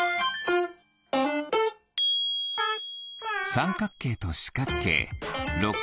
さんかくけいとしかくけいろっ